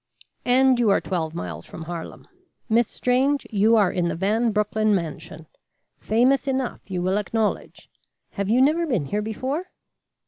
"And you are twelve miles from Harlem. Miss Strange, you are in the Van Broecklyn mansion, famous enough you will acknowledge. Have you never been here before?"